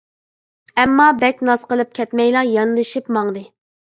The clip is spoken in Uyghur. ئەمما بەك ناز قىلىپ كەتمەيلا ياندىشىپ ماڭدى.